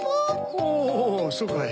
おそうかい。